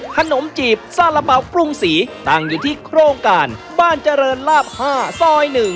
ขนมจีบซาระเป๋าปรุงศรีตั้งอยู่ที่โครงการบ้านเจริญลาบ๕ซอย๑